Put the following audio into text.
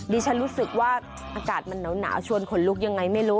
ดิฉันรู้สึกว่าอากาศมันหนาวชวนขนลุกยังไงไม่รู้